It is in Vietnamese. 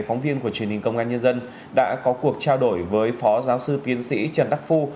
phóng viên của truyền hình công an nhân dân đã có cuộc trao đổi với phó giáo sư tiến sĩ trần đắc phu